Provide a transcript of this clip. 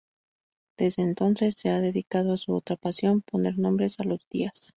Desde entonces, se ha dedicado a su otra pasión: "poner" nombres a los días.